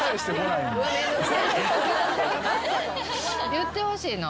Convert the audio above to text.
言ってほしいの？